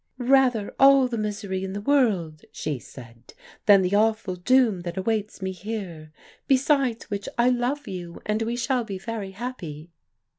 "'Rather all the misery in the world,' she said, 'than the awful doom that awaits me here. Besides which I love you, and we shall be very happy.